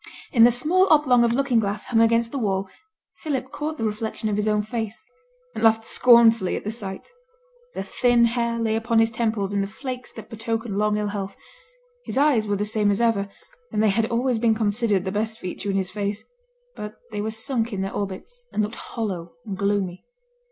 In the small oblong of looking glass hung against the wall, Philip caught the reflection of his own face, and laughed scornfully at the sight. The thin hair lay upon his temples in the flakes that betoken long ill health; his eyes were the same as ever, and they had always been considered the best feature in his face; but they were sunk in their orbits, and looked hollow and gloomy.